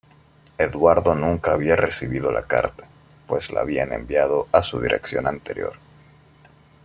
Eduardo nunca había recibido la carta, pues la habían enviado a su dirección anterior.